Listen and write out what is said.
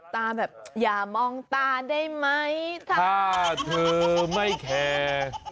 แบบอย่ามองตาได้ไหมถ้าเธอไม่แคร์